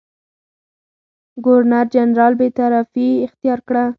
ګورنرجنرال بېطرفي اختیار کړه.